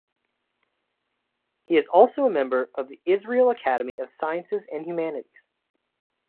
He is also a member of the Israel Academy of Sciences and Humanities.